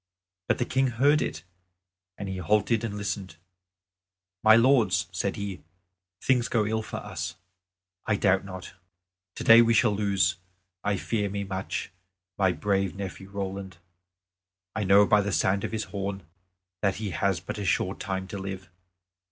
But the King heard it, and he halted and listened. "My lords!" said he, "things go ill for us, I doubt not. Today we shall lose, I fear me much, my brave nephew Roland. I know by the sound of his horn that he has but a short time to live.